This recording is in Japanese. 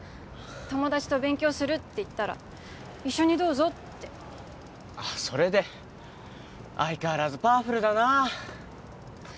友達と勉強するって言ったら一緒にどうぞってあっそれで相変わらずパワフルだな